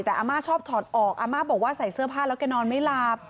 แต่อาม่าชอบถอดออกอาม่าบอกว่าใส่เสื้อผ้าแล้วแกนอนไม่หลับ